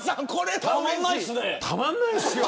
たまんないですよ。